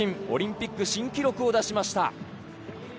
オリンピック新記録を出しました。